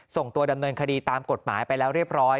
ส่งตัวดำเนินคดีตามกฎหมายไปแล้วเรียบร้อย